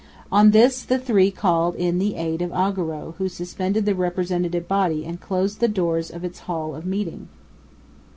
On this the three called in the aid of Augereau, who suspended the Representative Body and closed the doors of its hall of meeting.